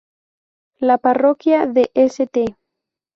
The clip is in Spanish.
La parroquia de St.